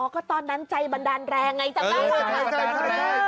อ๋อก็ตอนนั้นใจบันดาลแรงไงจำได้ไหม